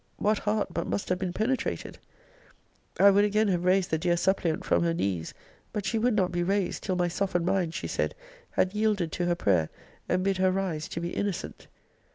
What heart but must have been penetrated! I would again have raised the dear suppliant from her knees; but she would not be raised, till my softened mind, she said, had yielded to her prayer, and bid her rise to be innocent.